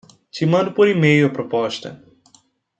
Te mando por e-mail a proposta